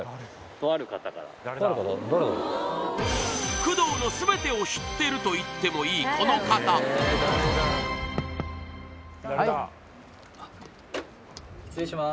工藤の全てを知ってると言ってもいいこの方失礼します